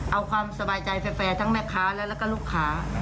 เอาความสบายใจแฟร์ทั้งแม่ค้าและแล้วก็ลูกค้า